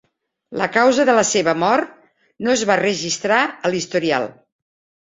La causa de la seva mort no es va registrar a l'historial.